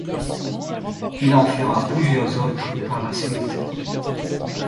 Il en fera plusieurs autres par la suite.